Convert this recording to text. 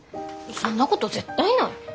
そんなこと絶対ない。